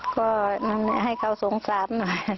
ก็ให้เขาสงสารหน่อย